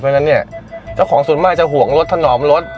เพราะฉะนั้นเนี่ยเจ้าของส่วนมากจะห่วงรถถนอมรถ